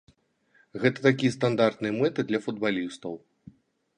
Гэта такія стандартныя мэты для футбалістаў.